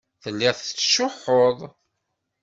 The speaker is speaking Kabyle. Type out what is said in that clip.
Telliḍ tettcuḥḥuḍ.